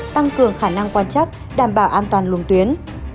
tăng cường khả năng quan chắc đảm bảo an toàn luồng tuyến